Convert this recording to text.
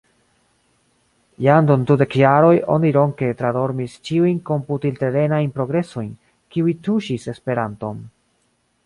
Jam dum dudek jaroj oni ronke tradormis ĉiujn komputilterenajn progresojn, kiuj tuŝis Esperanton.